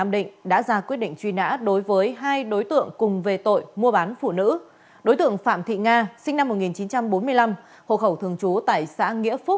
đang còn nhiều diễn biến phức tạp